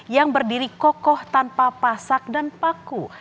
yang berdiri kokoh tanpa pasak dan paku